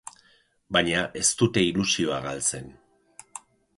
Baina ez dute ilusioa galtzen.